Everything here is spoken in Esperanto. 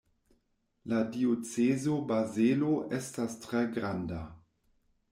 La diocezo Bazelo estas tre granda.